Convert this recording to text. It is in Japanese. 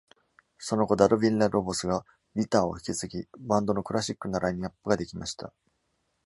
その後 Dado Villa-Lobos がギターを引き継ぎ、バンドのクラシックなラインアップができました。